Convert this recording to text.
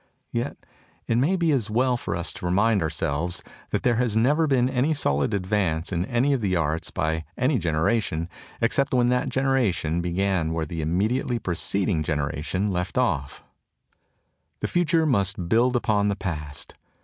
Yet it may be as well for us to remind ourselves that there has never been any solid advance in any of the arts by any generation except when that generation began where the immediately preceding genera tion left off. The future must build upon the past.